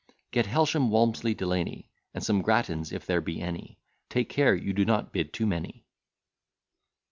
Get Helsham, Walmsley, Delany, And some Grattans, if there be any: Take care you do not bid too many.